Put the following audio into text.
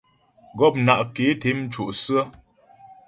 Gɔpna' ké té mco' sə̀.